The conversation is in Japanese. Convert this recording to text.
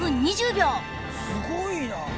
すごいな！